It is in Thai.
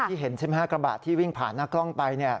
เห็นใช่ไหมฮะกระบะที่วิ่งผ่านหน้ากล้องไป